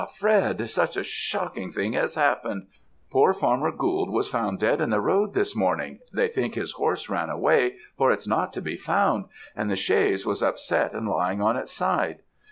Fred., such a shocking thing has happened! poor Farmer Gould was found dead in the road this morning; they think his horse ran away, for it's not to be found; and the chaise was upset and lying on its side.